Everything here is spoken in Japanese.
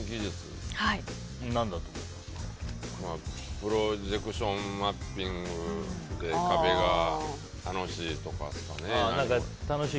プロジェクションマッピングで壁が楽しいとかっすかね。